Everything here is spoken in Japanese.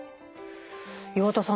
岩田さん